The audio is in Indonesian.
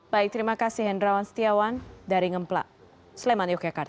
baik terima kasih hendrawan setiawan dari ngemplak sleman yogyakarta